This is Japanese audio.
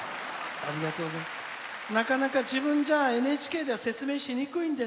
なかなか自分じゃＮＨＫでは説明しにくいんです。